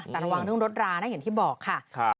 แต่ระวังเรื่องรถรานะอย่างที่บอกค่ะ